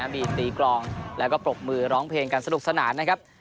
มีตีกลองแล้วก็ปรบมือร้องเพลงกันสนุกสนานนะครับ